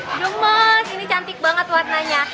aduh gemes ini cantik banget warnanya